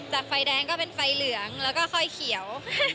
ไฟแดงก็เป็นไฟเหลืองแล้วก็ค่อยเขียว